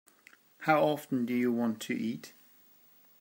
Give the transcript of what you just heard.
How often do you want to eat?